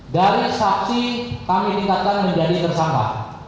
dari saksi kami tingkatkan menjadi tersangka